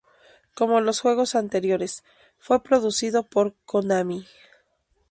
Como los juegos anteriores, fue producido por Konami.